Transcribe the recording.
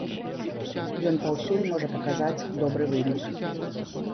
Ён паўсюль можа паказаць добры вынік.